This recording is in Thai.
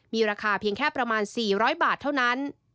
มีราคาเพียงแค่ประมาณ๔๐๐บาทเท่านั้น